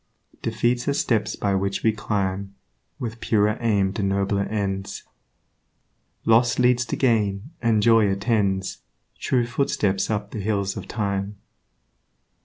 Defeats are steps by which we climb With purer aim to nobler ends; Loss leads to gain, and joy attends True footsteps up the hills of time.